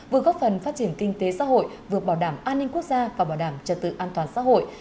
vừa góp phần phát triển kinh tế xã hội vừa bảo đảm an ninh quốc gia và bảo đảm trật tự an toàn xã hội